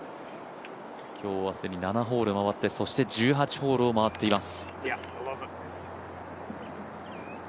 今日は既に７ホールを終えて、１８ホールを回っています。